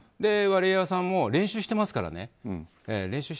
ワリエワさんも練習してますからね。